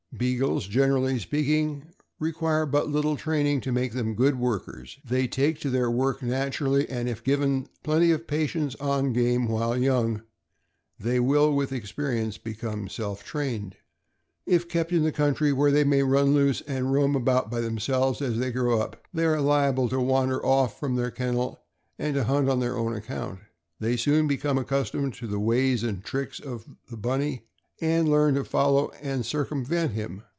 Beagles, generally speaking, require but little training to make them good workers. They take to their work nat urally, and if given plenty of practice on game while young, they will, with experience, become self trained. If kept in the country, where they may run loose and roam about by themselves, as they grow up they are liable to wander off from their kennel and hunt on their own account. They soon become accustomed to the ways and tricks of bunny, and learn to follow and circumvent him.